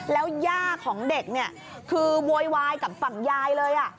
แล้วย่าของเด็กเนี่ยคือโวยวายกับฝั่งยายเลย